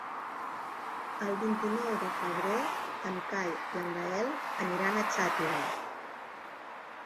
El vint-i-nou de febrer en Cai i en Gaël aniran a Xàtiva.